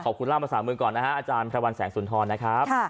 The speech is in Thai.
ขอบคุณล่ามา๓๐บาทก่อนนะครับอาจารย์พระวันแสงสุนทรนะครับ